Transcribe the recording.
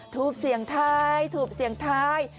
ถูกเสียงท้ายทูบเสียงท้าย